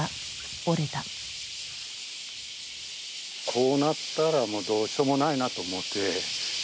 こうなったらもうどうしようもないなと思って。